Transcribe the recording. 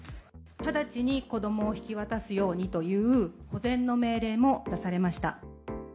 直ちに子どもを引き渡すようにという保全の命令も出されました。